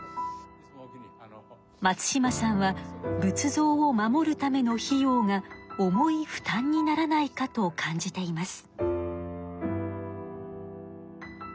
松島さんは仏像を守るための費用が重い負担にならないかと感じています。